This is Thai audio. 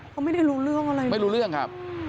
เขาไม่ได้รู้เรื่องอะไรไม่รู้เรื่องครับ